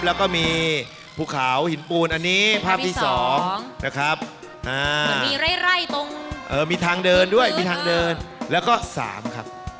แล้วก็มีภูเขาหินปูนอันนี้ภาพที่๒นะครับมีไร่ตรงมีทางเดินด้วยมีทางเดินแล้วก็๓ครับ